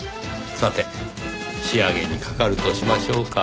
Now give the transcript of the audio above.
さて仕上げにかかるとしましょうか。